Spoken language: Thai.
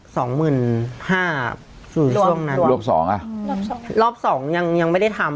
สองหมื่นห้าสี่ช่วงนั้นรอบสองอ่ะรอบสองรอบสองยังยังไม่ได้ทำ